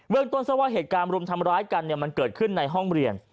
ต้นซะว่าเหตุการณ์รุมทำร้ายกันมันเกิดขึ้นในห้องเรียน